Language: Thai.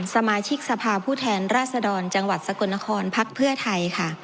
สมาชิกสภาพผู้แทนราชดรจังหวัดสกลนครพักเพื่อไทยค่ะ